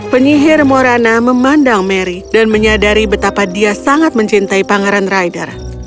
penyihir morana memandang mary dan menyadari betapa dia sangat mencintai pangeran rider